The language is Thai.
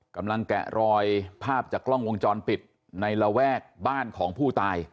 แกะรอยภาพจากกล้องวงจรปิดในระแวกบ้านของผู้ตาย